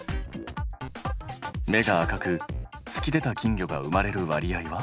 目が赤く突き出た金魚が生まれる割合は？